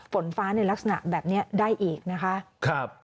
ฝนฟ้าในลักษณะแบบนี้ได้อีกนะคะ